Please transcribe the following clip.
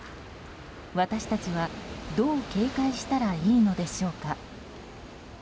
私たちはどう警戒したらいいのでしょうか。